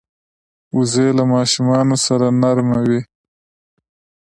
وزې له ماشومانو سره نرمه وي